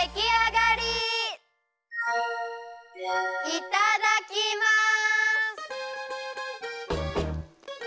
いただきます！